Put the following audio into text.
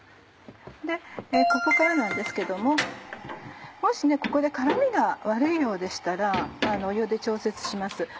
ここからなんですけどももしここで絡みが悪いようでしたら湯で調節します。